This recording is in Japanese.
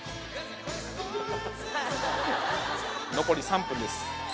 残り３分です。